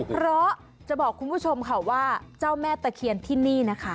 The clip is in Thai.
เพราะจะบอกคุณผู้ชมค่ะว่าเจ้าแม่ตะเคียนที่นี่นะคะ